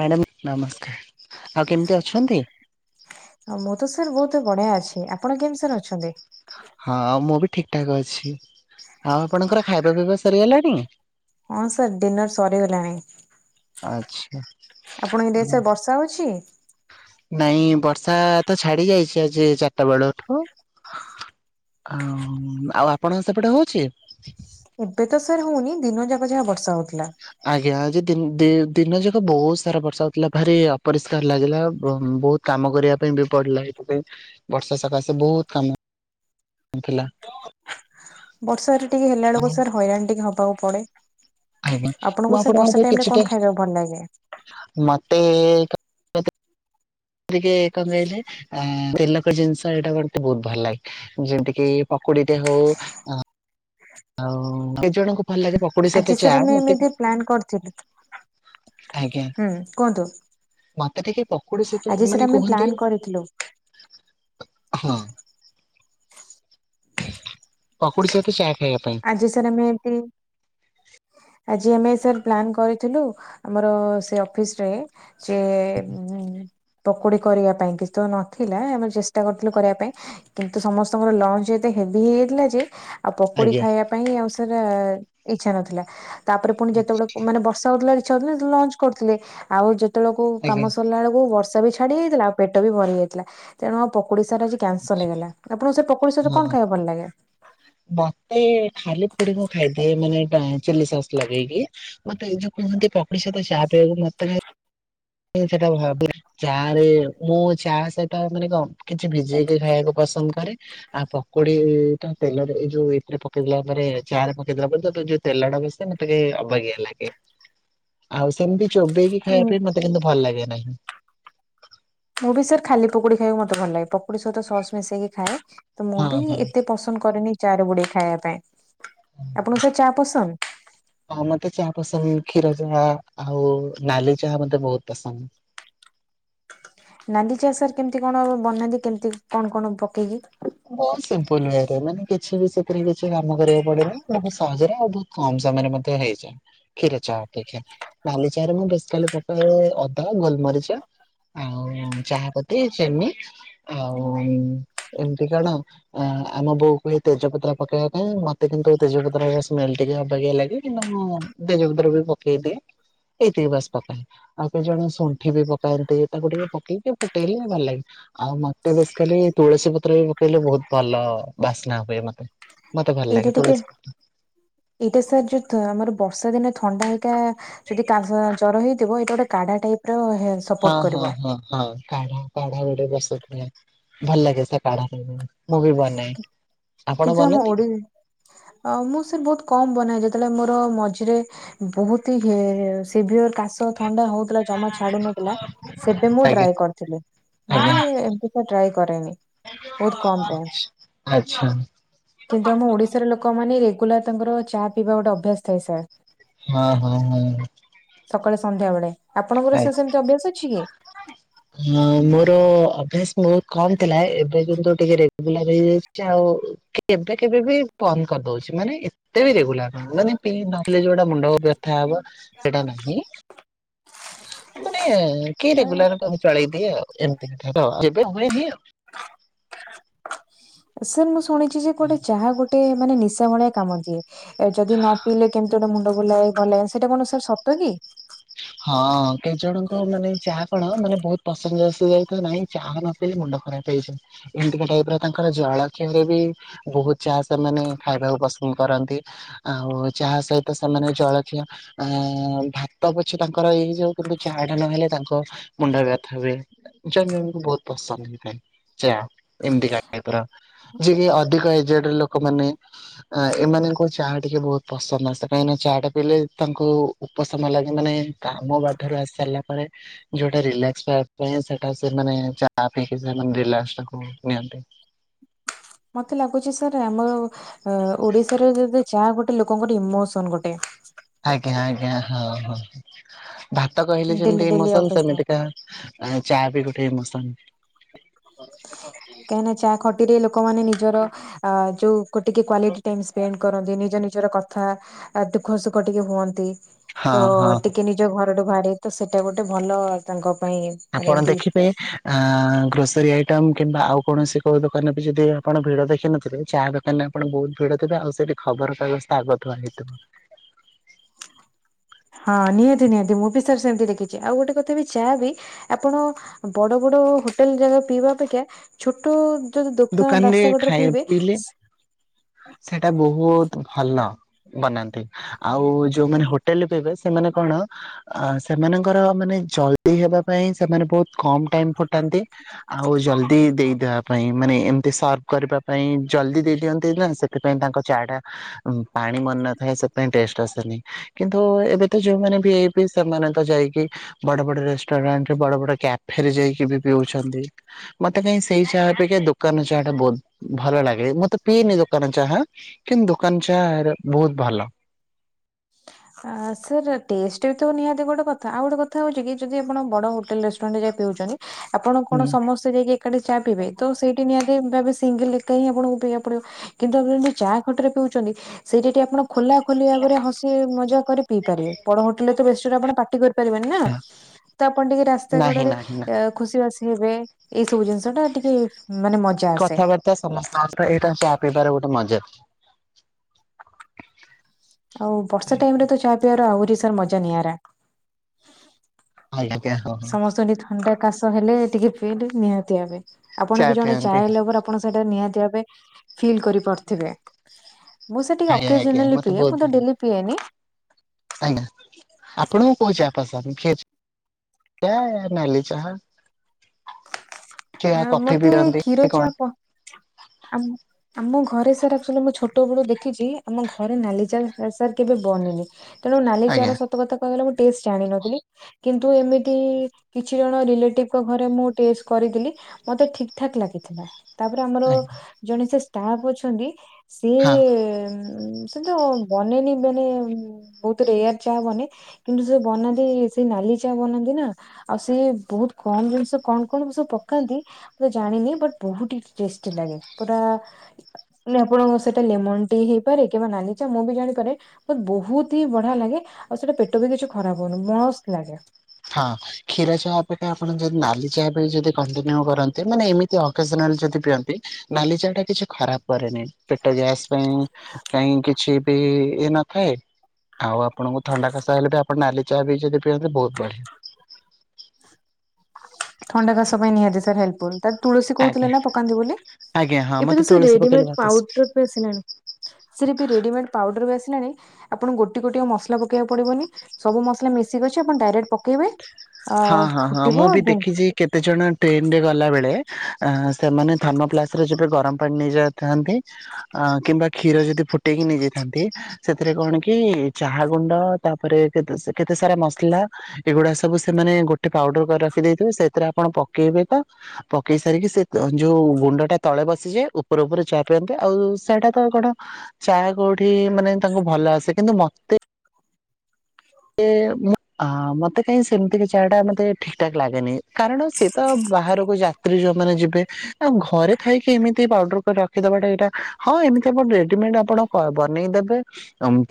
Madam ନମସ୍କାର ଆଉ କେମିତି ଅଛନ୍ତି? ଆଉ ମୁଁ ତ ସାର୍ ବହୁତ ବଢିଆ ଅଛି। ଆପଣ କେମିତି ସାର୍ ଅଛନ୍ତି? ହଁ ଆଉ ମୁଁ ବି ଠିକ ଠାକ ଅଛି। ଆଉ ଆପଣଙ୍କର ଖାଇବା ପିଇବା ସରିଗଲାଣି? ହଁ ସାର୍ ଡିନର୍ ସରିଗଲାଣି। ଆଛା ଆପଣଙ୍କ ଏରିଆରେ ସାର୍ ବର୍ଷା ହଉଛି? ନାଇଁ ବର୍ଷା ତ ଛାଡି ଯାଇଛି ଆଜି ଚାରିଟା ବେଳଠୁ ଆ ଆଉ ଆପଣଙ୍କ ସେପଟେ ହଉଛି? ଏବେ ତ ସାର୍ ହଉନି ଦିନ ଯାକ ଯାହା ବର୍ଷା ହଉଛି। ଆଜ୍ଞା ଆଜି ଦି ଦି ଦିନ ଯାକ ବହୁତ ସାରା ବର୍ଷା ହେଉଥିଲା। ଭାରି ଅପରିଷ୍କାର ଲାଗିଲା ବହୁତ କାମ କରିବା ପାଇଁ ମ୍ୱି ପଡିଲା ସେଥିପାଇଁ ବର୍ଷା ସକାଶେ ବହୁତ କାମଥିଲା। ବର୍ଷା ରେ ଟିକେ ହେଲା ବେଳକୁ ସାର୍ ହଇରାଣ ଟିକେ ହବାକୁ ପଡେ। ଆଜ୍ଞା ମୁଁ ଆପଣଙ୍କୁ ସେ ଆପଣଙ୍କ ଠୁ ବର୍ଷା ଟାଇମ ରେ କିଛିଟା କଣ ଖାଇବାକୁ ଭଲ ଲାଗେ? ମତେ ଟିକେ କମାଇଲେ ଆ ତେଲକ ଜିନିଷ ଏଇଟା ମତେ ବହୁତ ଭଲ ଲାଗେ ଯେମିତି କି ପକୁଡିଟେ ହଉ ଅ। ଆଉ କେ ଜଣଙ୍କୁ ପକୁଡି ସହିତ ଆଜି ଚା ସାର୍ ଆମେ ମତେ ଏମିତି ପ୍ଲାନ୍ କରିଥିଲୁ। ଆଜ୍ଞା ହୁଁ କୁହନ୍ତୁ। ମତେ ଟିକେ ପକୁଡି ସତ ଆଜି ସାର୍ ମାନେ ଆମେ କୁହନ୍ତି। ପ୍ଲାନ୍ କରିଥିଲୁ ହଁ। ପକୁଡି ସହିତ ଚା। ଖାଇବା ପାଇଁ ଆଜି ସାର୍ ଆମେ ଏମତି ଆଜି ଆମେ ସାର୍ ପ୍ଲାନ୍ କରିଥିଲୁ ଆମର ସେ ଅଫିସରେ ସେ ଉଁ ପକୁଡି କରିବା ପାଇଁ କିଛି ତ ନଥିଲା ଆମେ ଚେଷ୍ଟା କରିଥିଲୁ କରିବା ପାଇଁ କିନ୍ତୁ ସମସ୍ତଙ୍କର ଲଞ୍ଚ ଯଦି ହେବି ହେଇଥିଲା ଯେ ଆଉ ପକୁଡି ଆଜ୍ଞା। ଖାଇବା ପାଇଁ ଆଉ ସେରା ଇଛା ନଥିଲା ତାପରେ ପୁଣି ଯେତେବେଳେ ମାନେ ବର୍ଷା ହେଉଥିଲା। ଇଛା ହଉଥିଲା ଲଞ୍ଚ କରିୁଥିଲି ଆଉ ଯେତେବେଳ ଆଜ୍ଞା କାମ ସରିଲା ବେଳକୁ ବର୍ଷ ବି ଛାଡି ଯାଇଥିଲା ଆଉ ପେଟ ବି ଭରି ଯାଇଥିଲା ତେଣୁ ଆଉ ପକୁଡି ସାର ଆଜି କ୍ୟାନସଲ ହେଇଗଲା ଆପଣ ସେ ପ ପକୁଡି ସହିତ ହଁ କଣ ଖାଇବାକୁ ଭଲ ଲାଗେ? ମତେ ଖାଲି ପକୁଡି ଖାଇଦିଏ ମାନେ ଏଟା ଚିଲ୍ଲୀ ସସ୍ ଲଗେଇକି ମତେ ଯଉ କୁହନ୍ତି ପକୁଡ଼ି ସହିତ ଚାହା ପିଇବା ମୋତେ କାଇଁ ସେଟା ଭାଗେ ଚା ରେ ମୁଁ ଚା ସେଟା ମାନେ କଣ କିଛି ଭିଜେଇକି ଖାଇବାକୁ ପଡେ। ପସନ୍ଦ କରେ ଆଉ ପକୋଡି ଟା ତେଲରେ ଏଇ ଯୋଉ ଏଟା ପକେଇ ଦେଲା ପରେ ଚା ରେ ପକେଇ ଦେଲା ପରେ ତ ଯୋଉ ତେଲଟା ମିଶେ ମୋତେ ଅବାଗିଆ ଲାଗେ ଆଉ ସେମିତି ଚୋବେଇକି ଖାଇବା ଉଁ ପାଇଁ ମୋତେ କିନ୍ତୁ ଭଲ ଲାଗେ ନାହିଁ। ମୁଁ ବି ସାର୍ ଖାଲି ପକୁଡ଼ି ଖାଇବାକୁ ମତେ ଭଲ ଲାଗେ ପକୁଡି ସହିତ ସସ୍ ମିଶେଇକି ଖାଏ। ମୁଁ ହଁ ବି ହଁ ଏତେ ପସନ୍ଦ କରେନି। ଚା ରେ ଗୁଡେଇ ଖାଇବା ପାଇଁ ଆପଣଙ୍କୁ ସେ ଚା ପସନ୍ଦ? ହଁ ମତେ ଚାହା ପସନ୍ଦ କ୍ଷୀର ଚାହା ଆଉ ନାଲି ଚାହା ମତେ ବହୁତ ପସନ୍ଦ। ନାଲି ଚା ସାର୍ କେମିତି କଣ ବନାନ୍ତି କେମିତି କଣ କଣ ପକେଇକି? ବହୁତ ସିପୁଲରେ ୱେରେ ମାନେ କିଛି ବି ସେ ଏଥିରେ କିଛି କାମ କରିବାକୁ ପଡେନି ମାନେ ସହଜରେ ଆଉ ବହୁତ କମ ସମୟରେ ମଧ୍ୟ ହେଇଯାଏ କ୍ଷୀର ଚା। ଦେଖେ ନାଲି ଚା ରେ ମୁଁ ବେଶୀ ଖାଲି ପକାଏ ଅଦା ଗୋଲମରିଚ। ଆଉ ଚାହାପତି ଚିନି ଆଉ ଏମି କଣ ଆଁ ଆମ ବୋଉକୁ ଏଇ ତେଜପତ୍ର ପକେଇବା ପାଇଁ ମତେ କିନ୍ତୁ ତେଜପତ୍ର ସ୍ମେଲ ଟିକେ ଅବେଗା ଇଏ ଲାଗେ କିନ୍ତୁ ମୁଁ ତେଜପତ୍ର ବି ପକେଇଦିଏ। ଏଇତିକି ବାସ ପକାଏ ଆଉ କେହି ଜଣେ ଶୁଣ୍ଠି ବି ପକାନ୍ତି ତାକୁ ଟିକେ ପକେଇକି ମତେ ଡେଲି ଭଲ ଲାଗେ। ଆଉ ମତେ ବେଶୀକାଲି ତୁଳସୀ ପତ୍ର ବି ପକେଇଲେ ବହୁତ ଭଲ ବାସ୍ନା ହୁଏ ମତେ ମତେ ଭଲ ଲାଗେ ଏଇଟା ଟିକେ ତୁଳସୀ ପତ୍ର ଏଇଟା ସାର୍ ଯୋଉ ତ ଆମର ବର୍ଷା ଦିନ ଥଣ୍ଡା ହେଇଥା ଯଦି କାଜ ଜର ହେଇଥିବ ଏଇଟା ଗୋଟେ କାଢା ଟାଇପର ପୋଟ [unintelligible] ହଁ ସପୋର୍ଟ ହଁ କରିବ। ହଁ ହଁ କାଢା କାଢା ଗୋଟେ ପ୍ରସ୍ତୁତ ହୁଏ ଭଲ ଲାଗେ ସେ କାଢା ମୁଁ ବି ବନାଏ ଆପଣ କିନ୍ତୁ ଆମ ବନାନ୍ତି ଓଡି ଅ ମୁଁ ସାର ବହୁତ କମ ବନାଏ ଯେ ଯେତେଳେ ମୋର ମଝିରେ ବହୁତ ହେ ସିଭିୟର କାଶ ଥଣ୍ଡା ହଉଥିଲା ଜମା ଛାଡୁ ନଥିଲା ସେବେ ମୁଁ ଆଜ୍ଞା ଟ୍ରାଏ କରିଥିଲି। ନହେଲେ ଏମିତି ତ ଟ୍ରାଏ କରେନି। ୁ ବହୁତ ରାକେଶ କମ ଟାଇମ [unintelligible] କିନ୍ତୁ ଆମ ଓଡିଶାର ଲୋକମାନେ ମାନେ ରେଗୁଲାର ତାଙ୍କର ଚା ପିଇବା ଗୋଟେ ଅଭ୍ୟାସ ଥାଏ ସାର୍। ହଁ ହଁ ହଁ। ସକାଳେ ସନ୍ଧ୍ୟା ବେଳେ ଆପଣଙ୍କର ଆଜ୍ଞା। ସେ ସେମିତି ଅଭ୍ୟାସ ଅଛି କି? ହଁ ମୋର ଅଭ୍ୟାସ ବହୁତ କମ ଥିଲା ଏବେ କିନ୍ତୁ ଟିକେ ରେଗୁଲାର ହେଇଯାଇଛି ଆଉ କେବେ କେବେ ବି ବନ୍ଦ କରିଦଉଛି ମାନେ ଏତେ ବି ରେଗୁଲାର ମାନେ ପି ନ ଯୋଉଟା ମୁଣ୍ଡ ଓ ବ୍ୟଥା ହବ ସେଇଟା ନାହିଁ। ମାନେ କିଏ ରେଗୁଲାର କାହାକୁ ମୁଁ ଚଳେଇଦିଏ ଆଉ ଏମତି ହିଁ ଥିବ ଯେ। [unintelligible] ସାର୍ ମୁଁ ଶୁଣିଛି ଯେ କୁଆଡେ ଚାହା ଗୋଟେ ମାନେ ନିଶା ଭଳିଆ କାମ ଦିଏ। ଯଦି ନ ପିଇଲେ କେମିତି ଗୋଟେ ମୁଣ୍ଡ ବୁଲାଏ ଭଲ‌ ଲାଗେନି ସେଇଟା କଣ ସାର୍ ସତ କି। ହଁ କେତେ ଜଣଙ୍କ କି ନାଇଁ ଚାହା ନ ପିଇଲେ ମୁଣ୍ଡ ଖରାପ ହେଇଯିବ ଏମିତିକା ଟାଇପରେ ତାଙ୍କର ଜଳ ଖିଆରେ ବି। ବହୁତ ଚାହା ସେମାନେ ଖାଇବାକୁ ପସନ୍ଦ କରନ୍ତି ଆଉ ଚାହା ସହିତ ସେମାନେ ଜଳଖିଆ। ଆ ଭାତ ପଛ୍ କି ତାଙ୍କର ଏଇ ଯୋଉ କିନ୍ତୁ ଚାହା ଟା ନହେଲେ ତାଙ୍କ ମୁଣ୍ଡ ବ୍ୟଥା ହୁଏ ଚା ବି ଉନ୍ କୋ ବହୁତ ପସନ୍ଦ। ହେଇଥାଏ ଚା ଏମିତିକା ଟାଇପ୍ ର। ଯିଏ କି ଅଧିକ ଏଜେଡ ଲୋକ ମାନେ ଆ ଏମାନଙ୍କୁ ଚାହା ଟିକେ ବହୁତ ପସନ୍ଦ ଆସେ କାହିଁକି ନା। ଚାହା ଟା ପିଇଲେ ତାଙ୍କୁ ଉପଶମ ଲାଗେ। ଯୋଉ ମାନେ କାମ ବାଧାରୁ ଆସି ସାରିଲା ପରେ ଯୋଉଟା ରିଲାକ୍ସ ଟା ପାଇଁ ସେଟା ସେମାନେ ଚା ପି କି ସେମାନେ ରିଲାକ୍ସ ଟାକୁ ନିଅନ୍ତି। ମତେ ଲାଗୁଛି ସାର୍ ଆମ ଅ ଓଡିଶାରେ ଯଦି। ଚା ଗୋଟେ ଲୋକଙ୍କର ଗୋଟେ ଇମୋସନ ଗୋଟେ। ଆଜ୍ଞା ଆଜ୍ଞା ହଁ ହଁ। ଭାତ କହିଲେ ଡେଲି ଯେମିତି ଡେଲି ଇମୋସନ ଅଭ୍ୟାସ। ସେମିତି କା ଚା ବି ଗୋଟେ ଇମୋସନ। [unintelligible] ଏଠି ଟିକେ ଲୋକମାନେ ନିଜର ଆ ଯୋଉ ଟିକେ କ୍ୱାଲିଟି ଟାଇମ୍ ସ୍ପେଣ୍ଡ କରନ୍ତି ନିଜ ନିଜ। ନିଜର କଥା ଆ ଦୁଃଖ ସୁଖ ଟିକେ ହୁଅନ୍ତି ହଁ ତ ହଁ ଟିକେ ନିଜ ଘ ଗୋଟେ ଘରେ ତ ସେଟା ଗୋଟେ ଭଲ ତାଙ୍କ। ପାଇଁ ମାନେ ଆପଣ ଏମତି ଦେଖିବେ ଆଁ ଗ୍ରୋସରୀ ଆଇ ଟମ୍ କିମ୍ବା ଆଉ କୌଣସି କୋଉ ଦୋକାନ ରେ ବି ଯଦି ଆପଣ ଭିଡ଼ ଦେଖିନଥିବେ ଚାହା ଦୋକାନରେ ଆପଣ ବହୁତ ଭିଡ ଥିବେ ଆଉ ସେ ଖବର କାଗଜ ତ ଆଗ ଥୁଆ ହେଇଥିବ। ହଁ ନିହାତି ନିହାତି ମୁଁ ବି ସାର୍ ସେମିତି ଦେଖିଛି ଆଉ ଗୋଟେ କଥା ବି ଚାହା ବି ଆପଣ ବଡ ବଡ। ହୋଟେଲ ଜାଗା ପିଇବା ଅପେକ୍ଷା ଛୋଟ ଯଦି ଦୋକାନ ଦୋକାନରେ ରାସ୍ତା କଡରେ ପିଇବେ। ସେଟା ବହୁତ ଭଲ। ବନାନ୍ତି ଆଉ ଯୋଉମାନେ ହୋଟେଲ ରେ ପିବେ ସେମାନେ କଣ ଅ ସେମାନଙ୍କର ମାନେ। ଜଲଦି ହେବା ପାଇଁ ସେମାନେ ବହୁତ କମ୍ ଟାଇମ ଫୁଟାନ୍ତି ଆଉ ଜଲଦି ଦେଇଦବା ପାଇଁ। ମାନେ ଏମତି ସର୍ଭ କରିବା ପାଇଁ ଜଲଦି ଦେଇ ଦିଅନ୍ତି ନା ସେ। ସେଥିପାଇଁ ତାଙ୍କ ଚା ଟା ପାଣି ମରି ନଥାଏ ସେଥିପାଇଁ ଟେଷ୍ଟ ଆସେନି କିନ୍ତୁ ଏବେ ତ ଯୋଉମାନେ। ଭି ଆଇ ପି ସେମାନେ‌ ତ ଯାଇକି ବଡ ବଡ ରେଷ୍ଟୁରାଣ୍ଟ ବଡ ବଡ କ୍ୟାଫେ ରେ ଯାଇକି ବି ପିଉଛନ୍ତି। [unintelligible] ମତେ କାଇଁ ସେଇ ଚାଆ ଅପେକ୍ଷା ଦୋକାନ ଚାହା ଟା ବହୁତ ଭଲ ଲାଗେ ମୁଁ ତ ପିଇନି ଦୋକାନ ଦୋକାନ ଚାହା କିନ୍ତୁ ଦୋକାନ ଚା ବହୁତ ଭଲ। ଆଁ ସାର୍ ଟେଷ୍ଟ ବି ତ ନିହାତି ଗୋଟେ କଥା ଆଉ ଗୋଟେ କଥା ହଉଚିକି ଯଦି ଆପଣ ବଡ ହୋଟେଲ ରେଷ୍ଟୁରାଣ୍ଟ ଯାଇ ପିଉଚନ୍ତି ଆପଣ କଣ ହୁଁ ସମସ୍ତେ ଯାଇକି ଏକାଠି ଚା ପିିବେ ତ ସେଇଠି ନିହାତି [unintelligible] ସିଙ୍ଗଲ ଏକା ହିଁ ଆପଣଙ୍କୁ ପିଇବାକୁ ପଡିବ କିନ୍ତୁ ଆପଣ ଯଦି ଚା ଖଟରେ ପିଉଚନ୍ତି ସେଇଟି ଟି ଆପଣ ଖୋଲା ଖୋଲି ଭାବରେ ହସି ମଜା କରି ପିଇ ପାରିବେ ବଡ ହୋଟେଲରେତ ବେଶୀ ଜୋରେ ଆପଣ ପାଟି କରି ପାରିବେନି ନା ତ ଆପଣ ଟିକେ ରାସ୍ତା ନାହିଁ କଡରେ ନାହିଁ ନା ଖୁସି ବାସି ହେବେ ଏଇ ସବୁ ଜିନିଷ ଟା ଟିକେ ମାନେ ମଜା ଆସେ କଥାବାର୍ତ୍ତା ସମ [unintelligible] ଏଇଟା ଚା ପିଇବାର ଗୋଟେ ମଜା। ଆଉ ବର୍ଷା ଟାଇମରେ ତ ଚାହା ପିଇବାର ଆହୁରି ସାର ମଜା ନିଆରା। ଆଜ୍ଞା ଆଜ୍ଞା ହଁ ହଁ। ସମସ୍ତଙ୍କୁ ଟିକେ ଥଣ୍ଡା କାଶ ହେଲେ ଟିକେ ପିଇଲେ ନିହାତି ଭାବେ ଆପଣ ଚା ବି ଜଣେ ପିଅନ୍ତି ଚାଏ ଲଭର ଆପଣ ସେଇଟା ନିହାତି ଭାବ୍ ବେ ଫିଲ୍ କରିପାରୁଥିବେ। ମୁଁ ସାର୍ ଟିକେ ଆଜ୍ଞା ଅକେଜନ୍ ଆଜ୍ଞା ହେଲେ ମତେ ପିଏ ବହୁତ ମୁଁ ତ ଭଲ ଡେଲି ପିଏନି। [unintelligible] ଆପଣଙ୍କୁ ପଇସା [unintelligible] ଟେ ନାଲି ଚାହା। ସେ କଫି ପିଅନ୍ତି ସେ କଣ? ଆଁ [unintelligible] ଆମ ଘରେ ସାର ଆକ୍କଚୁଲି ମୁଁ ଛୋଟ ବେଳୁ ଦେଖିଛି ଆମ ଘରେ ନାଲି ଚାଲ ସାର୍ କେବେ ବନିନି ତେଣୁ ନାଲି ଚ ଆଜ୍ଞା ର ସତ କଥା କହିଲ ଗଲେ ଟେଷ୍ଟ ଜାଣିନଥିଲି କିନ୍ତୁ ଏମିତି କିଛି ଜଣ ରିଲେଟିଭ୍ ଙ୍କ ଘରେ ମୁଁ ଟେଷ୍ଟ କରିଥିଲି ମତେ ଠିକ ଠାକ୍ ଲାଗିଥିଲା। ତାପରେ ଆମର ଆଜ୍ଞା ଜଣେ ସେ ଷ୍ଟାଫ ଅଛନ୍ତି ସେ ହଁ ସେ ତ ବନେନି ବନେ ବହୁତ ରେୟାର ଚା ବନେ କିନ୍ତୁ ସେ ବନାନ୍ତି ସେଇ ନାଲି ବନାନ୍ତି ନା ଆଉ ସିଏ ବହୁତ କଣ ଜିନିଷ କଣ କଣ ସବୁ ପକାନ୍ତି ମୁ ଜାଣିନି ବହୁତ ହିଁ ଟେଷ୍ଟି ଲାଗେ ପୁରା ମାନେ ଆପଣଙ୍କ ସେଟା ଲେମନ ଟି ହେଇପାରେ କିମ୍ବା ନାଲିଚା ମୁଁ ବି ଜାଣିପାରେେ ବହୁତ ହି ବଢିଆ ଲାଗେ ଆଉ ସେଇଟା ପେଟ ବି କିଛି ଖରାପ ହଉନି ମସ୍ତ ଲାଗେ। ହଁ କ୍ଷୀର ଚା ଅପେକ୍ଷା ଆପଣ ଯଦି ନାଲି ଚା ନାଲି ଚା ବି ଯଦି କଣ୍ଟିନିଉ କରନ୍ତି ମାନେ ଏମିତି ଏକେଜନାଲ ଯଦି ପିଅନ୍ତି ନାଲି ଚା ଟା କିଛି ଖରାପ ପେଟ ଗ୍ୟାସ ପାଇଁ କ କିଛି ବି ଇ ନଥାଏ ଆଉ ଆପଣଙ୍କୁ ଥଣ୍ଡା କାସ ହେଲେ ବି ଆପଣ ନାଲି ଚାହା ବି ଯଦି ପିଅନ୍ତି ବହୁତ ବଢିଆ। ଥଣ୍ଡା କାଶ ପାଇଁ ନିହାତି ସାର୍ ହେଲ୍ପଫୁଲ ତୁଳସୀ କହୁଥିଲେ ଆଜ୍ଞା ନା ପକାନ୍ତି ବୋଲି। ଆଜ୍ଞା ହଁ ଏବେ ତ ମତେ ସ ତୁଳସୀ ରେଡିମେଡ ପକେଇଲେ ଭାତ ଆସେ। ପାଉଡର ବି ଆସିଲାଣି ରେଡିମେଡ୍ ପାଉଡର ବି ଆପଣ ଗୋଟେ ଗୋଟେ ମସଲା ପକେଇବାକୁ ପଡିବନି ସବୁ ମସଲା ମିଶିକି ଅଛି ଆପଣ ଡାଇରେକ୍ଟ ପକେଇବେ ଅ ହଁ ହଁ ମୁଁ ବି ଦେଖିଛି କେତେଜଣ ଟ୍ରେନରେ ଗଲାବେଳେ ସେମାନେ ଥର୍ମୋପ୍ଲାସ ରେ ଯେବେ ଗରମ ପାଣି ନେଇଯାଇଥାନ୍ତି ଅ କିମ୍ବା କ୍ଷୀର ଯଦି ଫୁଟେଇକି ନେଇଯାଇଥାନ୍ତି ସେଥିରେ କଣ କି ଚାହା ଗୁଣ୍ଡ ତାପରେ କେତେ ସାରା ମସଲା ଏଗୁଡା ସବୁ ସେମାନେ ଗୋଟେ ପାଉଡର କରି ରଖି ଦେଇଥିବେ ସେଥିରେ ଆପଣ ପକେଇବେ ତ ପକେଇ ସାରିକି ସେ ଯୋଉ ଗୁଣ୍ଡ ଟା ତଳେ ବସ ଆସିଯାଏ ଉପର ଉପରେ ଚା ପିଅନ୍ତି ଆଉ ସେଇଟା ତ କଣ ଚା କୋଉଠି ମାନେ ତାଙ୍କୁ ଭଲ ଆସେ କିନ୍ତୁ ମତେ ମତେ କାହିଁ ସେମିତିକ ଚାହା ଟା ମତେ ଠିକଠାକ୍ ଲାଗେନି କାରଣ ସିଏ ତ ବାହାରକୁ ଯାତ୍ରୀ ଯୋଉମାନେ ଯିବେ ଆଉ ଘରେ ଥାଇକି ଏମିତି ପାଉଡର କରି ରଖିଦବାଟା ଏଇଟା ରେଡିମେଡ ଆପଣ ବନେଇଦେବେ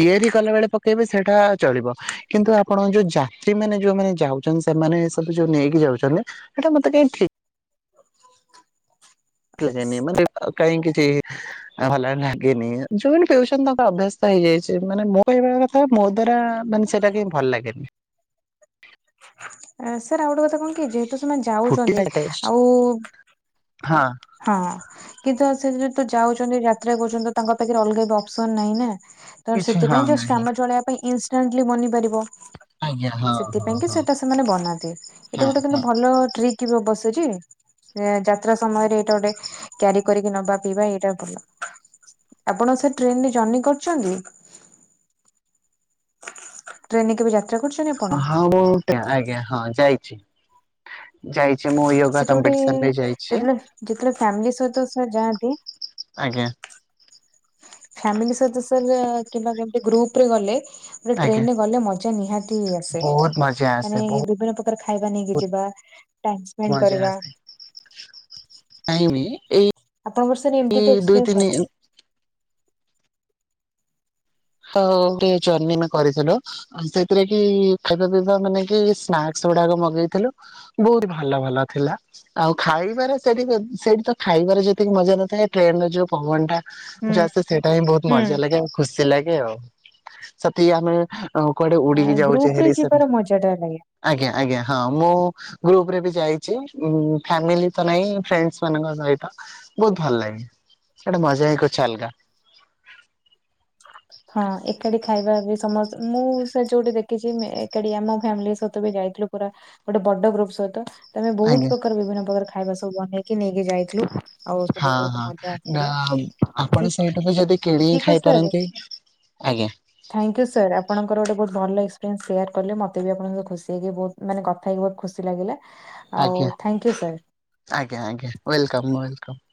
ତିଆରି କଲା ବେଳେ ପକେଇବେ ସେଇଟା ଚଳିବ କିନ୍ତୁ ଆପଣ ଯୋଉ ଯାତ୍ରୀ ମାନେ ଯୋଉମାନେ ଯାଉଛନ୍ତି ସେମାନେ ଏ ସବୁ ଯୋଉ ନେଇକି ଯାଉଛନ୍ତି ସେଇଟା ମତେ ଏଟି [inaudible] [inaudible] [unintelligible] ଭଲ ନାଗେନି ଯୋଉମାନେ ପିଉଛନ୍ତି ତାଙ୍କର ଅଭ୍ୟସ୍ତ ହେଇଯାଇଛି ମାନେ ମୁଁ କହିବା କଥା। ମୋ ଦ୍ଵାରା ମାନେ ସେଟା କେ ଭଲ ଲାଗେନି। ସାର୍ ଆଉ ଗୋଟେ କଥା କଣ କି ଯେହେତୁ ସେମାନେ ଫୁଟି ଯାଉଛନ୍ତି ଆଉ। ହଁ ହଁ କିନ୍ତୁ ସେ ଯହେତୁ ଯାଉଛନ୍ତି ଯାତ୍ରା କରୁଛନ୍ତି ତ ତାଙ୍କ ପାଖରେ ଅଲଗା ବି ଅପସନ ନାଇଁ ନା। ତ କିଛି ହଁ ସେଥିପାଇଁ ଯୋ ନାହିଁ ଷ୍ଟାମଚ ଭଳିଆବ ପାଇଁ ଇନଷ୍ଟାଣ୍ଟଲି ବନିପାରିବ। ଆଜ୍ଞା ହଁ ହଁ ସେଥିପାଇଁକି ହଁ ସେଟା ସେମାନେ ବନାନ୍ତି ଏଇଟା ହଁ ଗୋଟେ କି ହଁ ଭଲ ଟ୍ରିକ୍ ବିବସ୍। ଯେ ଯାତ୍ରା ସମୟରେ ଏଇଟା ଗୋଟେ କ୍ୟାରି କରିକି ନବା ପିଇବା ଏଇଟା ଭଲ। ଆପଣ ସେ ଟ୍ରେନରେ ଜର୍ଣ୍ଣି କରିଛନ୍ତି। ଟ୍ରେନ କେବେ ଯା ହଁ ମୁଁଟେ ଆଜ୍ଞା ହଁ ଯାଇଛି ଯାଇ ସେଟା ଗୋଟେ ଯେତେବେଳେ ଯେତେବେଳେ ଫ୍ୟାମିଲି ସହିତ ଯାଆନ୍ତି। ଆଜ୍ଞା। ଫ୍ୟାମିଲି ସହିତ ସାର୍ କିମ୍ବା ଗୋଟେ ଗ୍ରୁପରେ ଗଲେ। ମେ ଆଜ୍ଞା ଟ୍ରେନ ରେ ଗଲେ ମଜା ନିହାତି ଆସେ ବହୁତ ମଜା ଆସେ ମାନେ ବହୁତ ବିଭିନ୍ନ ପ ର ଖାଇବା ନେଇକି ଯିବା। ଟାଇମ୍ ସ୍ପେଣ୍ଡ ମଜା କରିବା ଆସେ। [unintelligible] ଆପଣଙ୍କ ସାର୍ ଏମତି ଦୁଇ ରେବି [inaudible] ତିନି ଅଛି। ହ ଜର୍ଣ୍ଣିମେ କରିଥିଲୁ ସେଥିରେ କି ଖାଇବା ପିଇବା ମାନେକି ସ୍ନାକ୍। ସେଗୁଡାକ ମଗେଇଥିଲୁ ବହୁତ ଭଲ ଭଲ ଥିଲା ଆଉ ଖାଇବାରେ ସେଠି ସେଠି ଖାଇ। ଜିବାରେ ଯେତିକି ମଜା ନଥାଏ ଟ୍ରେନର ଯୋଉ ପବନଟା। ହୁଁ ଜସ୍ ସେଇଟା ହିଁ ବହୁତ ହୁଁ ମଜା ଲାଗେ ଆଉ ଖୁସି ଲାଗେ ଆଉ ସେତିିକି ଆମେ। ହଁ କୁଆଡେ ଉଡିକି ଯାଉଚେ ଗ୍ରୁପ ରେ ହେରି ଯିବାର ସେମତି ମଜା ଟା ଲାଗେ। ଆଜ୍ଞା ଆଜ୍ଞା ହଁ ମୁଁ। ଗ୍ରୁପରେ ବି ଯାଇଛି ଫ୍ୟାମିଲିତ ନାଇଁ ଫ୍ରେଣ୍ଡସ ମାନଙ୍କ ସହିତ ବହୁତ ଭଲ ଲାଗେ। ସେଇଟା ମଜାହିଁ କୁଛୁ ଅଲଗା। ହଁ ଏକାଠି ଖାଇବା ବି ସମସ୍ତେ ମୁଁ ସେ ଯୋଉଠି ଦେଖିଛି ଏକାଠି ଆମ ଫ୍ୟାମିଲି ସହିତ ବି ଯାଇ। ଥିଲୁପୁରା ଗୋଟେ ବଡ ଗ୍ରୁପ ସହିତ। ବହୁତ ଆଜ୍ଞା ପ୍ରକାର ବିଭିନ୍ନ ପ୍ରକାର ଖାଇବା ସବୁ ବନେଇକି ନେଇକି ଯାଇଥିଲୁ। ଆଉ ସେଠି ହଁ ବହୁତ ହଁ ମଜା ନା ଆସିଥିଲା ଆପଣ ସେଇଠୁ ବି ଯଦି କିଣିକି ଠିକ ଅଛି ତାହାଲେ। ଖାଇପାରନ୍ତି ଆଜ୍ଞା ଥ୍ୟାଙ୍କୟୁ ସାର୍ ଆପଣଙ୍କର ଗୋଟେ ବହୁତ୍। ଭଲ ଏକ୍ପପ୍ରେନ୍ସ ସେୟାର କଲେ ମତେ ବି ଆପଣଙ୍କ ଖୁସି ହେଇକି ବହୁ ମାନେ କଥା ହେଇକି ବହୁତ ଖୁସି ଲାଗିଲା। ଆଉ ଆଜ୍ଞା ଥ୍ୟାଙ୍କ ୟୁ ସାର୍। ଆଜ୍ଞା ଆଜ୍ଞା ୱେଲକମ୍ ୱେଲକମ୍।